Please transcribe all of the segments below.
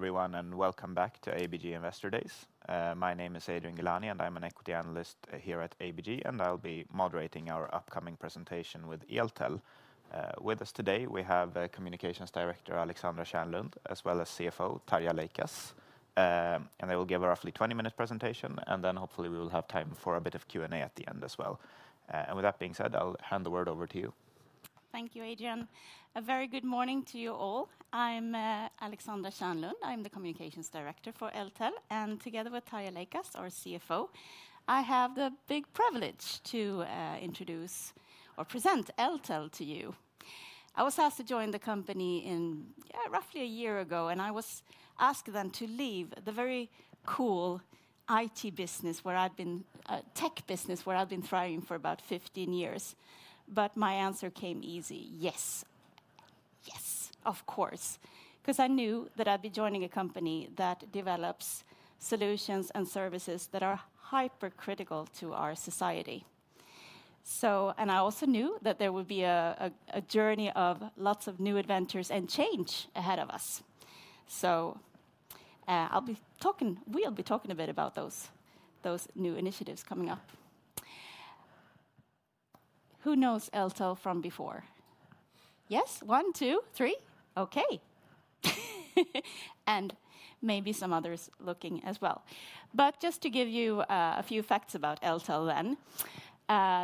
Hello everyone and welcome back to ABG Investor Days. My name is Adrian Gilani and I'm an equity analyst here at ABG, and I'll be moderating our upcoming presentation with Eltel. With us today, we have Communications Director Alexandra Kärnlund, as well as CFO Tarja Leikas, and they will give a roughly 20-minute presentation, and then hopefully we will have time for a bit of Q&A at the end as well. And with that being said, I'll hand the word over to you. Thank you, Adrian. A very good morning to you all. I'm Alexandra Kärnlund, I'm the Communications Director for Eltel, and together with Tarja Leikas, our CFO, I have the big privilege to introduce or present Eltel to you. I was asked to join the company roughly a year ago, and I was asked then to leave the very cool IT business where I've been, tech business where I've been thriving for about 15 years. But my answer came easy. Yes. Yes, of course. Because I knew that I'd be joining a company that develops solutions and services that are hypercritical to our society. And I also knew that there would be a journey of lots of new adventures and change ahead of us. So we'll be talking a bit about those new initiatives coming up. Who knows Eltel from before? Yes? One, two, three? Okay. And maybe some others looking as well. But just to give you a few facts about Eltel then,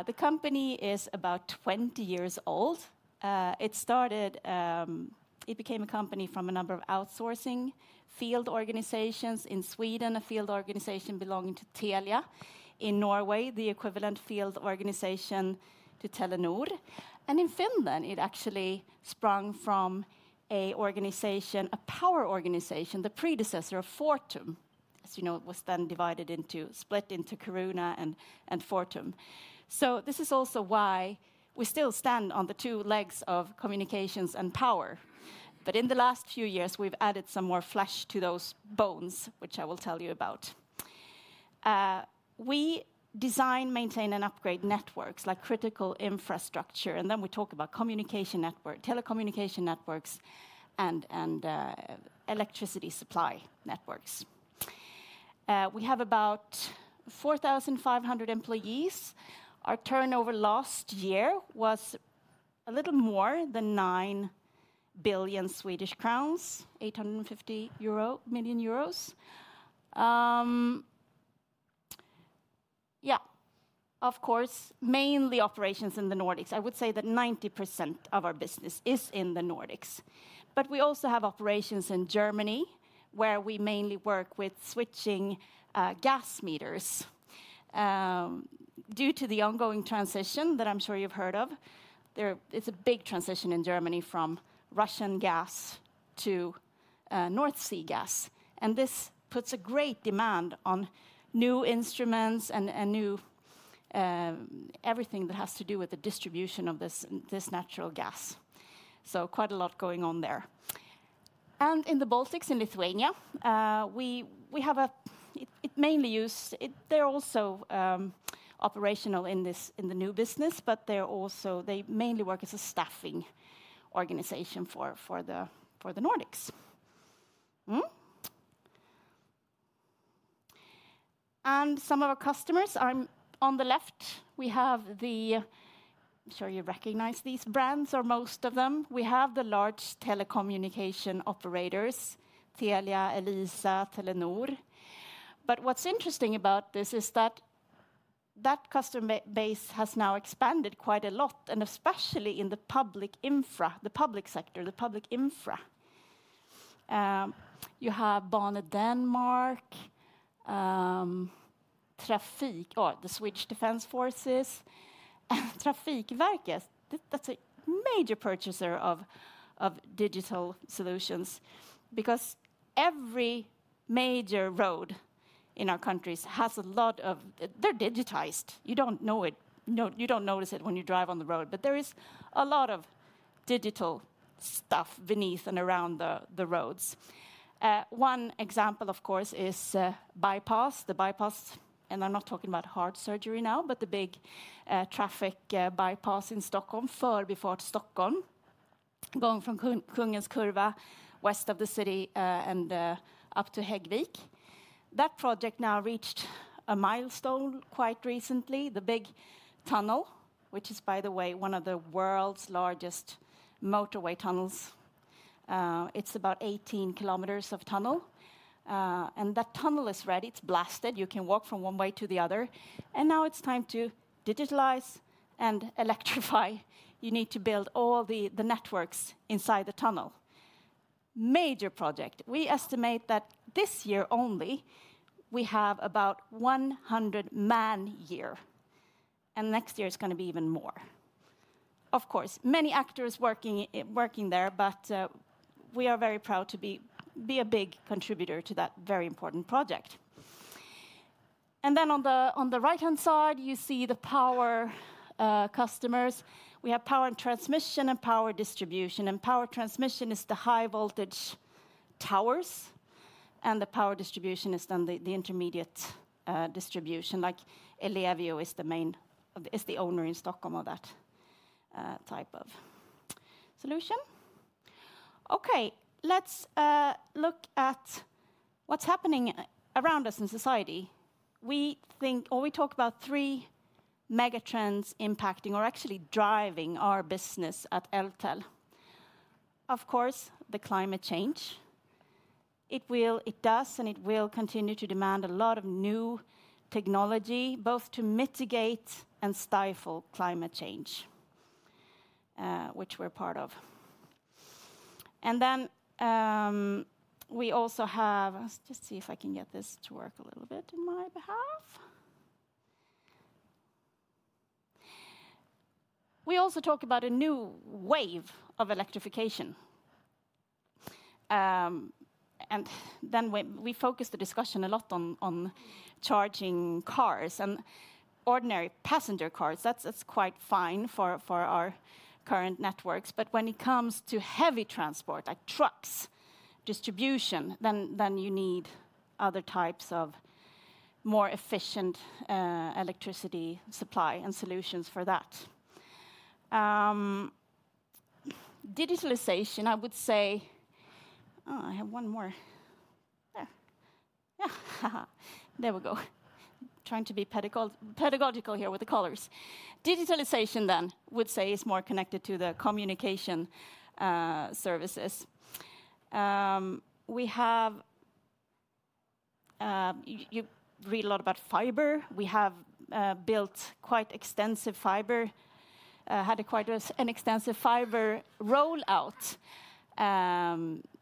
the company is about 20 years old. It became a company from a number of outsourcing field organizations in Sweden, a field organization belonging to Telia in Norway, the equivalent field organization to Telenor. And in Finland, it actually sprung from a power organization, the predecessor of Fortum, as you know. It was then split into Caruna and Fortum. So this is also why we still stand on the two legs of communications and power. But in the last few years, we've added some more flesh to those bones, which I will tell you about. We design, maintain, and upgrade networks like critical infrastructure, and then we talk about telecommunication networks and electricity supply networks. We have about 4,500 employees. Our turnover last year was a little more than 9 billion Swedish crowns, 850 million euro. Yeah, of course, mainly operations in the Nordics. I would say that 90% of our business is in the Nordics. But we also have operations in Germany where we mainly work with switching gas meters. Due to the ongoing transition that I'm sure you've heard of, it's a big transition in Germany from Russian gas to North Sea gas. And this puts a great demand on new instruments and everything that has to do with the distribution of this natural gas. So quite a lot going on there. And in the Baltics, in Lithuania, they're also operational in the new business, but they mainly work as a staffing organization for the Nordics. And some of our customers are on the left. I'm sure you recognize these brands or most of them. We have the large telecommunication operators, Telia, Elisa, Telenor. But what's interesting about this is that that customer base has now expanded quite a lot, and especially in the public infra, the public sector, the public infra. You have Banedanmark, Trafikverket, the Swedish Defense Forces, and Trafikverket. That's a major purchaser of digital solutions because every major road in our countries has a lot of... They're digitized. You don't notice it when you drive on the road, but there is a lot of digital stuff beneath and around the roads. One example, of course, is Bypass, the Bypass, and I'm not talking about heart surgery now, but the big traffic bypass in Stockholm, Förbifart Stockholm, going from Kungens Kurva, west of the city, and up to Häggvik. That project now reached a milestone quite recently, the big tunnel, which is, by the way, one of the world's largest motorway tunnels. It's about 18 km of tunnel. That tunnel is ready, it's blasted, you can walk from one way to the other. Now it's time to digitalize and electrify. You need to build all the networks inside the tunnel. Major project. We estimate that this year only we have about 100 man-year, and next year is going to be even more. Of course, many actors working there, but we are very proud to be a big contributor to that very important project. Then on the right-hand side, you see the power customers. We have power and transmission and power distribution, and power transmission is the high-voltage towers, and the power distribution is then the intermediate distribution, like Ellevio is the owner in Stockholm of that type of solution. Okay, let's look at what's happening around us in society. We talk about three megatrends impacting or actually driving our business at Eltel. Of course, the climate change. It does, and it will continue to demand a lot of new technology, both to mitigate and stifle climate change, which we're part of, and then we also have, let's just see if I can get this to work a little bit on my behalf. We also talk about a new wave of electrification, and then we focus the discussion a lot on charging cars and ordinary passenger cars. That's quite fine for our current networks. But when it comes to heavy transport, like trucks, distribution, then you need other types of more efficient electricity supply and solutions for that. Digitalization, I would say, oh, I have one more. Yeah, there we go. Trying to be pedagogical here with the colors. Digitalization then would say is more connected to the communication services. You read a lot about fiber. We have built quite extensive fiber, had quite an extensive fiber rollout,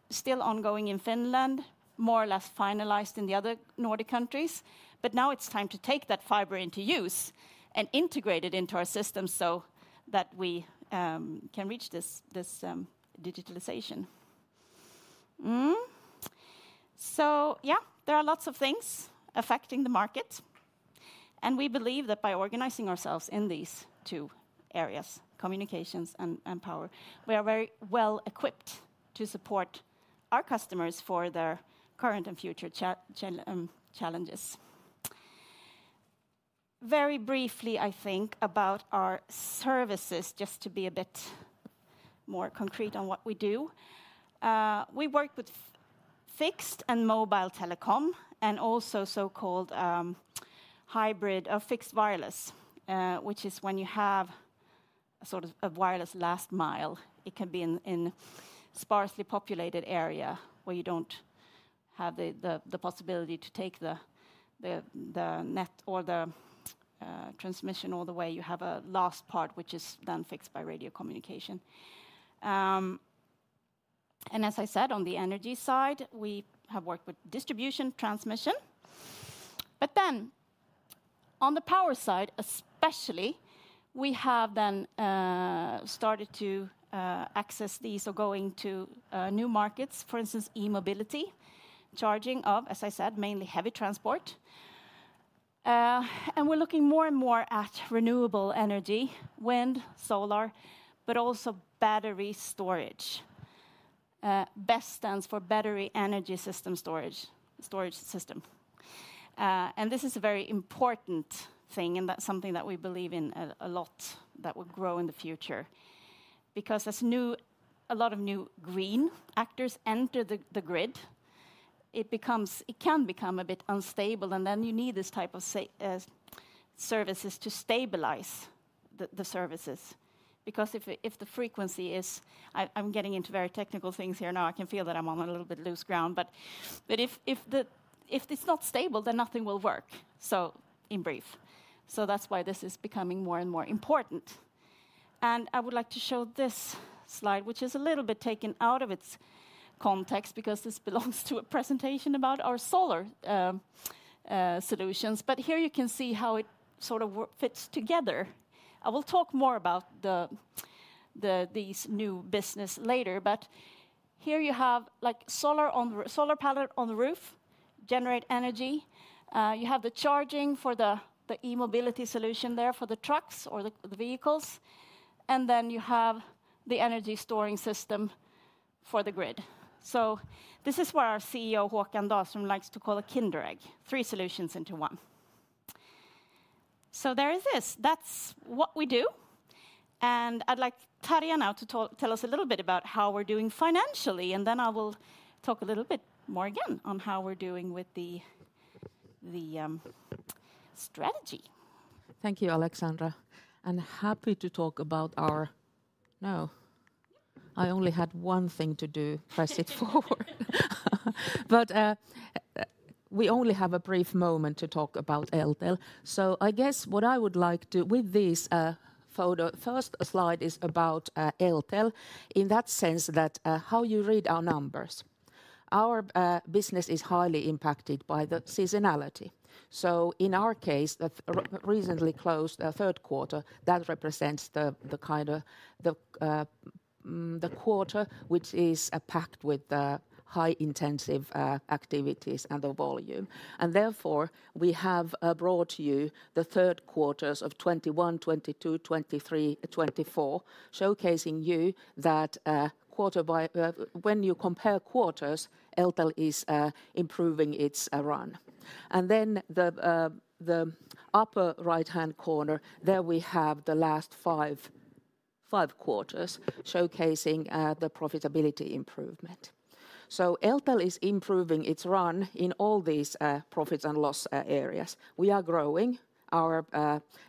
still ongoing in Finland, more or less finalized in the other Nordic countries. But now it's time to take that fiber into use and integrate it into our system so that we can reach this digitalization. So yeah, there are lots of things affecting the market. And we believe that by organizing ourselves in these two areas, communications and power, we are very well equipped to support our customers for their current and future challenges. Very briefly, I think, about our services, just to be a bit more concrete on what we do. We work with fixed and mobile telecom and also so-called hybrid or fixed wireless, which is when you have sort of a wireless last mile. It can be in a sparsely populated area where you don't have the possibility to take the net or the transmission all the way. You have a last part, which is then fixed by radio communication. And as I said, on the energy side, we have worked with distribution transmission. But then on the power side, especially, we have then started to access these or go into new markets, for instance, e-mobility, charging of, as I said, mainly heavy transport. And we're looking more and more at renewable energy, wind, solar, but also battery storage. BESS stands for Battery Energy Storage System. This is a very important thing and something that we believe in a lot that will grow in the future. Because as a lot of new green actors enter the grid, it can become a bit unstable, and then you need this type of services to stabilize the services. Because if the frequency is, I'm getting into very technical things here now, I can feel that I'm on a little bit loose ground, but if it's not stable, then nothing will work, so in brief. That's why this is becoming more and more important. I would like to show this slide, which is a little bit taken out of its context because this belongs to a presentation about our solar solutions. But here you can see how it sort of fits together. I will talk more about these new businesses later, but here you have solar panel on the roof, generate energy. You have the charging for the e-mobility solution there for the trucks or the vehicles. And then you have the energy storing system for the grid, so this is what our CEO, Håkan Dahlström, likes to call a Kinder Egg, three solutions into one. So there it is. That's what we do, and I'd like Tarja now to tell us a little bit about how we're doing financially, and then I will talk a little bit more again on how we're doing with the strategy. Thank you, Alexandra, and happy to talk about our... No, I only had one thing to do, press it forward, but we only have a brief moment to talk about Eltel, so I guess what I would like to... With this photo, first slide is about Eltel in that sense that how you read our numbers. Our business is highly impacted by the seasonality, so in our case, the recently closed third quarter, that represents the quarter which is packed with high-intensive activities and the volume, and therefore, we have brought you the third quarters of 2021, 2022, 2023, 2024, showcasing you that when you compare quarters, Eltel is improving its run, and then the upper right-hand corner, there we have the last five quarters showcasing the profitability improvement, so Eltel is improving its run in all these profits and loss areas. We are growing. Our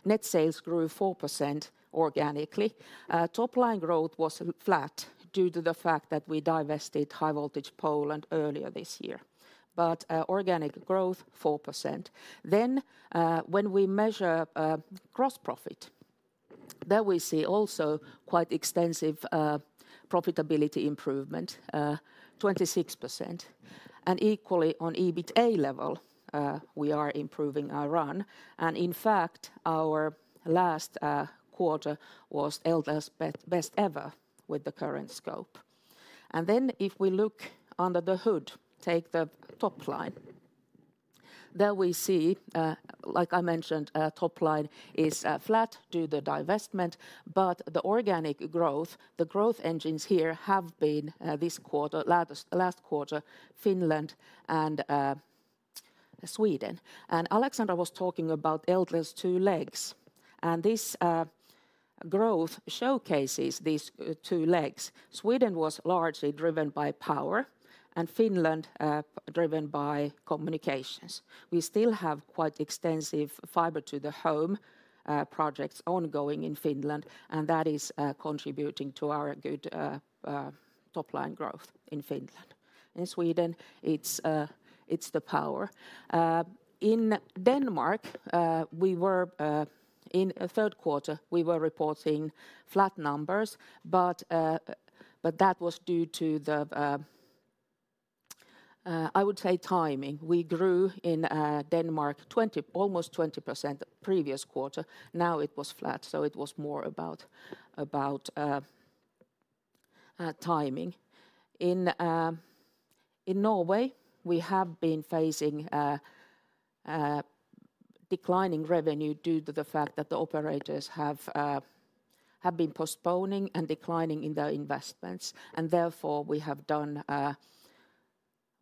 net sales grew 4% organically. Top-line growth was flat due to the fact that we divested High Voltage Poland earlier this year, but organic growth, 4%. Then when we measure gross profit, there we see also quite extensive profitability improvement, 26%. And equally on EBITA level, we are improving our run. And in fact, our last quarter was Eltel's best ever with the current scope. And then if we look under the hood, take the top line, there we see, like I mentioned, top line is flat due to the divestment, but the organic growth, the growth engines here have been this quarter, last quarter, Finland and Sweden. And Alexandra was talking about Eltel's two legs. And this growth showcases these two legs. Sweden was largely driven by power and Finland driven by communications. We still have quite extensive fiber-to-the-home projects ongoing in Finland, and that is contributing to our good top-line growth in Finland. In Sweden, it's the power. In Denmark, in the third quarter, we were reporting flat numbers, but that was due to the, I would say, timing. We grew in Denmark almost 20% previous quarter. Now it was flat, so it was more about timing. In Norway, we have been facing declining revenue due to the fact that the operators have been postponing and declining in their investments. And therefore, we have done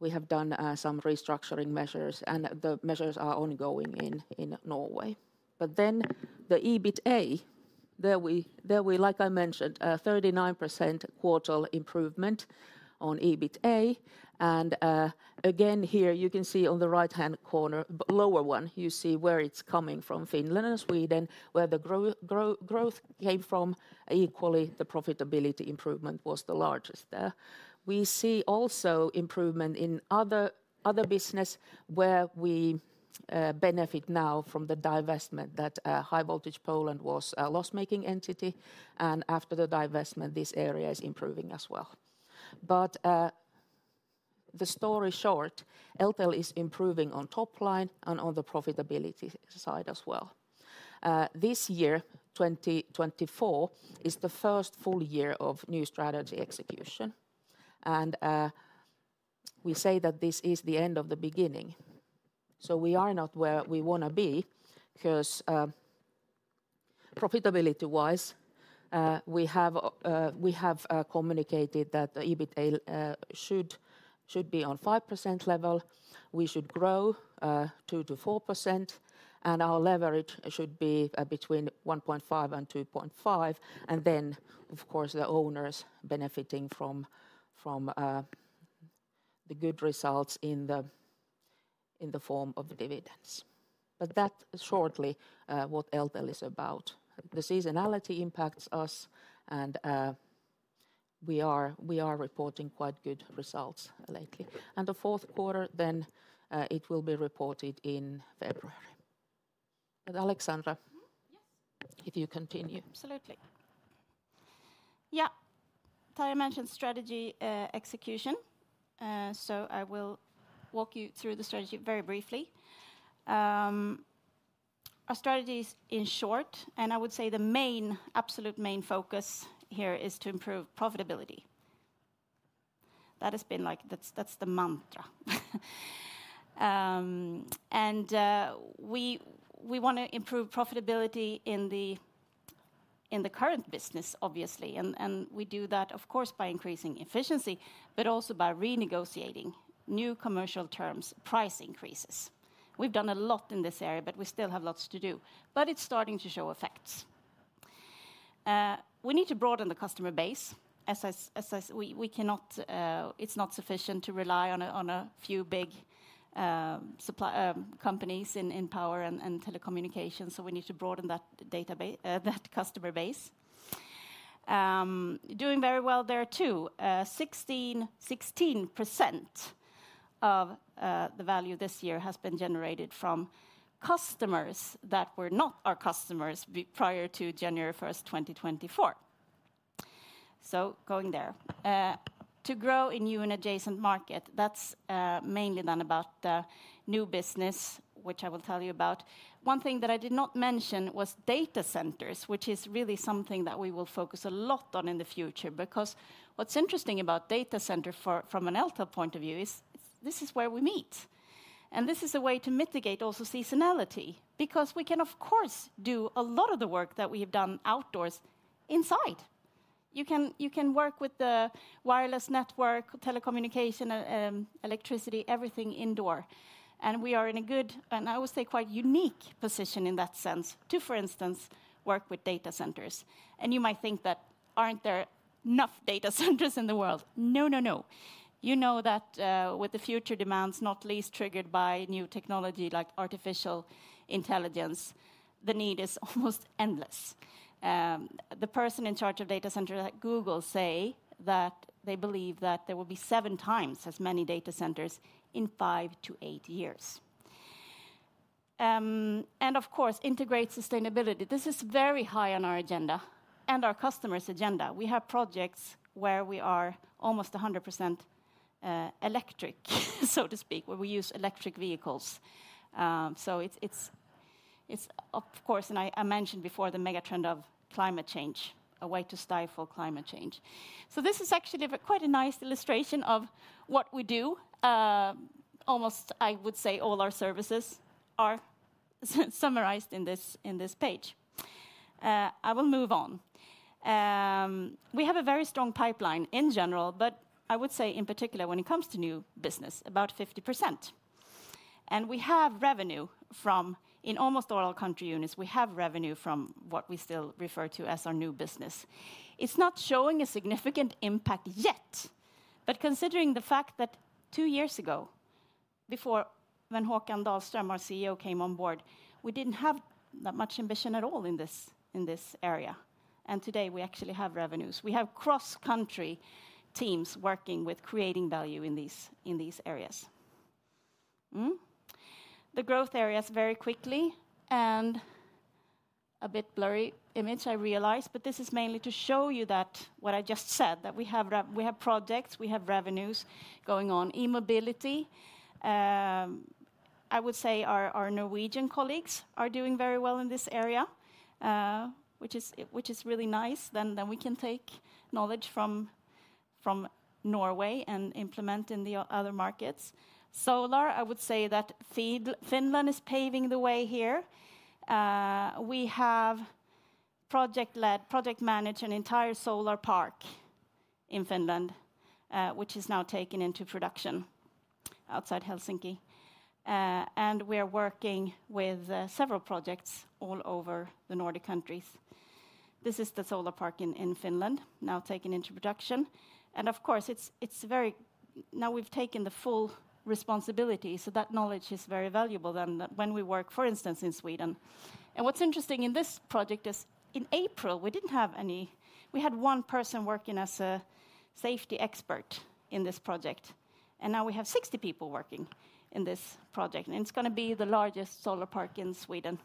some restructuring measures, and the measures are ongoing in Norway. But then the EBITA, there we, like I mentioned, 39% quarter improvement on EBITA. And again, here you can see on the right-hand corner, lower one, you see where it's coming from Finland and Sweden, where the growth came from. Equally, the profitability improvement was the largest there. We see also improvement in other business where we benefit now from the divestment that High Voltage Poland was a loss-making entity. And after the divestment, this area is improving as well. But the story short, Eltel is improving on top line and on the profitability side as well. This year, 2024, is the first full year of new strategy execution. And we say that this is the end of the beginning. So we are not where we want to be because profitability-wise, we have communicated that the EBITA should be on 5% level. We should grow 2-4%, and our leverage should be between 1.5 and 2.5. And then, of course, the owners benefiting from the good results in the form of dividends. But that's shortly what Eltel is about. The seasonality impacts us, and we are reporting quite good results lately. And the fourth quarter, then it will be reported in February. But Alexandra, if you continue. Absolutely. Yeah, Tarja mentioned strategy execution, so I will walk you through the strategy very briefly. Our strategy is in short, and I would say the main absolute main focus here is to improve profitability. That has been like, that's the mantra, and we want to improve profitability in the current business, obviously. And we do that, of course, by increasing efficiency, but also by renegotiating new commercial terms, price increases. We've done a lot in this area, but we still have lots to do, but it's starting to show effects. We need to broaden the customer base. We cannot, it's not sufficient to rely on a few big companies in power and telecommunications, so we need to broaden that customer base. Doing very well there too. 16% of the value this year has been generated from customers that were not our customers prior to January 1st, 2024. So going there. To grow in new and adjacent market, that's mainly done about new business, which I will tell you about. One thing that I did not mention was data centers, which is really something that we will focus a lot on in the future. Because what's interesting about data centers from an Eltel point of view is this is where we meet. And this is a way to mitigate also seasonality. Because we can, of course, do a lot of the work that we have done outdoors inside. You can work with the wireless network, telecommunication, electricity, everything indoor. And we are in a good, and I would say quite unique position in that sense to, for instance, work with data centers. And you might think that aren't there enough data centers in the world? No, no, no. You know that with the future demands, not least triggered by new technology like artificial intelligence, the need is almost endless. The person in charge of data centers at Google says that they believe that there will be seven times as many data centers in five to eight years and of course integrate sustainability. This is very high on our agenda and our customers' agenda. We have projects where we are almost 100% electric, so to speak, where we use electric vehicles, so it's of course and I mentioned before the mega trend of climate change, a way to stifle climate change, so this is actually quite a nice illustration of what we do. Almost, I would say, all our services are summarized in this page. I will move on. We have a very strong pipeline in general, but I would say in particular when it comes to new business, about 50%. And we have revenue from, in almost all our country units, we have revenue from what we still refer to as our new business. It's not showing a significant impact yet, but considering the fact that two years ago, before when Håkan Dahlström, our CEO, came on board, we didn't have that much ambition at all in this area. And today we actually have revenues. We have cross-country teams working with creating value in these areas. The growth areas very quickly and a bit blurry image, I realize, but this is mainly to show you that what I just said, that we have projects, we have revenues going on. E-mobility, I would say our Norwegian colleagues are doing very well in this area, which is really nice. Then we can take knowledge from Norway and implement in the other markets. Solar, I would say that Finland is paving the way here. We have project-led, project-managed an entire solar park in Finland, which is now taken into production outside Helsinki. And we are working with several projects all over the Nordic countries. This is the solar park in Finland now taken into production. And of course, now we've taken the full responsibility, so that knowledge is very valuable then when we work, for instance, in Sweden. And what's interesting in this project is in April, we didn't have any, we had one person working as a safety expert in this project. And now we have 60 people working in this project. And it's going to be the largest solar park in Sweden,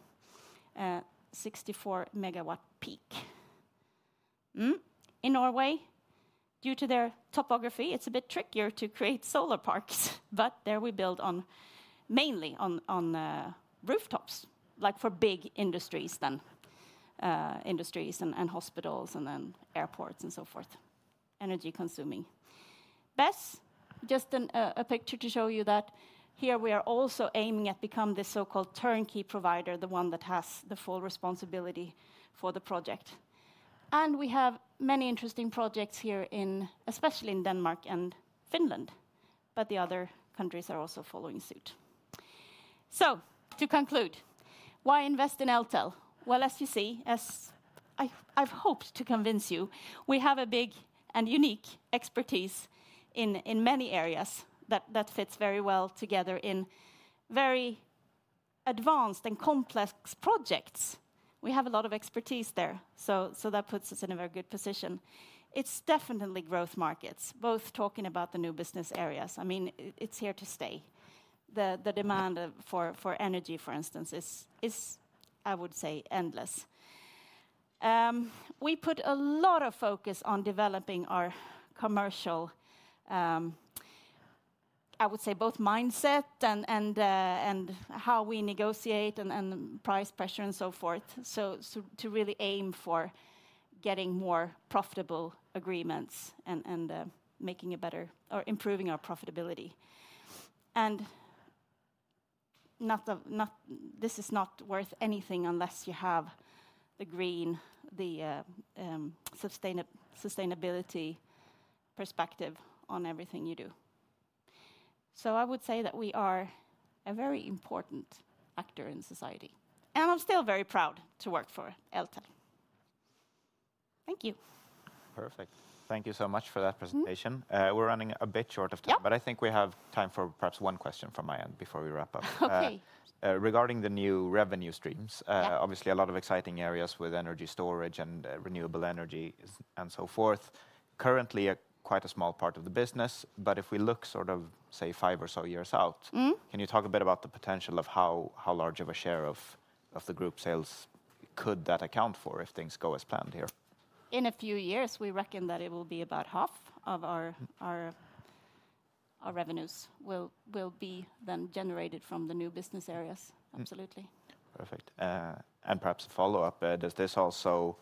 64 megawatt peak. In Norway, due to their topography, it's a bit trickier to create solar parks, but there we build mainly on rooftops, like for big industries then, industries and hospitals and then airports and so forth, energy-consuming. BESS. Just a picture to show you that here we are also aiming at becoming the so-called turnkey provider, the one that has the full responsibility for the project. And we have many interesting projects here, especially in Denmark and Finland, but the other countries are also following suit. So to conclude, why invest in Eltel? Well, as you see, as I've hoped to convince you, we have a big and unique expertise in many areas that fits very well together in very advanced and complex projects. We have a lot of expertise there. So that puts us in a very good position. It's definitely growth markets, both talking about the new business areas. I mean, it's here to stay. The demand for energy, for instance, is, I would say, endless. We put a lot of focus on developing our commercial, I would say, both mindset and how we negotiate and price pressure and so forth, so to really aim for getting more profitable agreements and making a better or improving our profitability. And this is not worth anything unless you have the green, the sustainability perspective on everything you do. So I would say that we are a very important actor in society. And I'm still very proud to work for Eltel. Thank you. Perfect. Thank you so much for that presentation. We're running a bit short of time, but I think we have time for perhaps one question from my end before we wrap up. Regarding the new revenue streams, obviously a lot of exciting areas with energy storage and renewable energy and so forth. Currently quite a small part of the business, but if we look sort of, say, five or so years out, can you talk a bit about the potential of how large of a share of the group sales could that account for if things go as planned here? In a few years, we reckon that it will be about half of our revenues will be then generated from the new business areas. Absolutely. Perfect, and perhaps a follow-up, does this also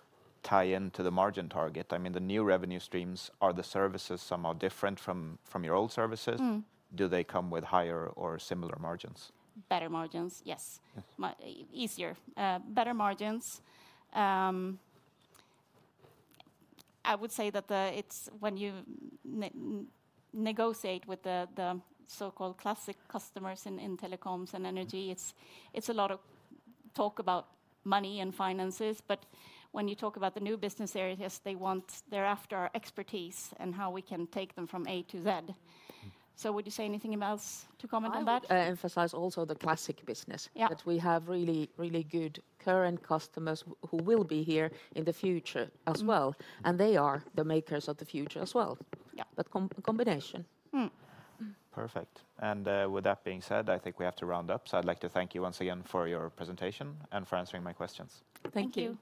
tie into the margin target? I mean, the new revenue streams, are the services somehow different from your old services? Do they come with higher or similar margins? Better margins, yes. Easier. Better margins. I would say that when you negotiate with the so-called classic customers in telecoms and energy, it's a lot of talk about money and finances. But when you talk about the new business areas, they're after our expertise and how we can take them from A to Z. So would you say anything else to comment on that? I emphasize also the classic business, that we have really, really good current customers who will be here in the future as well. And they are the makers of the future as well. That combination. Perfect. And with that being said, I think we have to round up. So I'd like to thank you once again for your presentation and for answering my questions. Thank you.